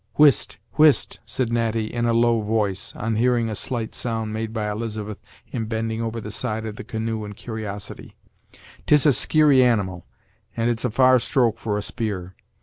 "Whist! whist!" said Natty, in a low voice, on hearing a slight sound made by Elizabeth in bending over the side of the canoe in curiosity; "'tis a skeary animal, and it's a far stroke for a spear.